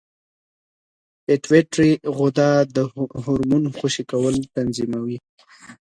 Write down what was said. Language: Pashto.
پېټویټري غده د هورمون خوشې کول تنظیموي.